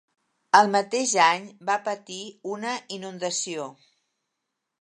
El mateix any va patir una inundació.